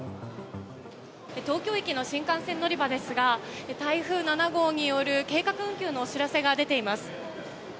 東京駅の新幹線乗り場ですが台風７号による計画運休のお知らせが出ています。